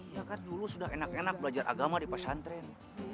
ya kan dulu sudah enak enak belajar agama di pesantren